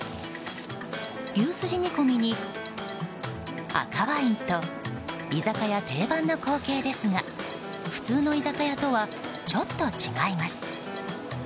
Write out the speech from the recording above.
牛すじ煮込みに赤ワインと居酒屋定番の光景ですが普通の居酒屋とはちょっと違います。